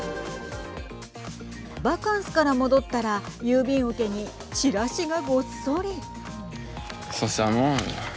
バカンスから戻ったら郵便受けにチラシがごっそり。